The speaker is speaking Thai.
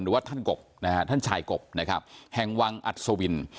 หรือว่าท่านกบนะฮะท่านชายกบนะครับแห่งวังอัศวิน